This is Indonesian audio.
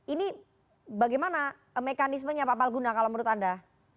ini bagaimana mekanismenya pak palguna kalau menurut anda